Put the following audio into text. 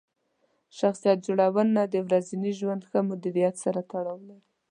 شخصیت جوړونه د ورځني ژوند ښه مدیریت سره تړاو لري.